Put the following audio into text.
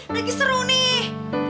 lagi seru nih